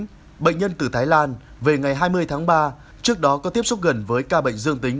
ca bệnh hai mươi một bệnh nhân từ thái lan về ngày hai mươi tháng ba trước đó có tiếp xúc gần với ca bệnh dương tính